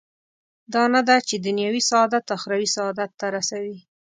دا نه ده چې دنیوي سعادت اخروي سعادت ته رسوي.